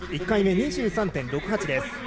１回目、２３．６８です